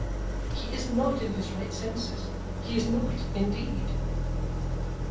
He is not in his right senses, he is not, indeed!